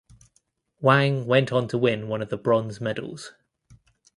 Wang went on to win one of the bronze medals.